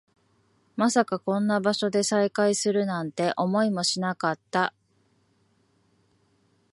まさかこんな場所で再会するなんて、思いもしなかった